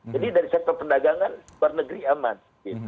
jadi dari sektor perdagangan luar negeri aman